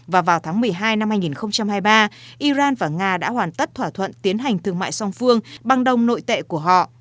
và vào tháng một mươi hai năm hai nghìn hai mươi ba iran và nga đã hoàn tất thỏa thuận tiến hành thương mại song phương bằng đồng nội tệ của họ